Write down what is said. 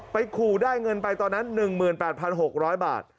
ขู่ได้เงินไปตอนนั้น๑๘๖๐๐บาท